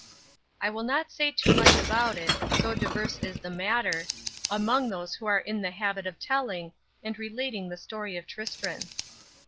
"I will not say too much about it, So diverse is the matter, Among those who are in the habit of telling And relating the story of Tristran."